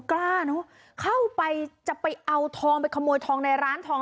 กล้าเนอะเข้าไปจะไปเอาทองไปขโมยทองในร้านทอง